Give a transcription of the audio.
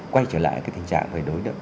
quay trở lại cái tình trạng